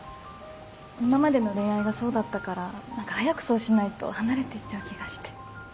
今までの恋愛がそうだったから早くそうしないと離れてっちゃう気がして。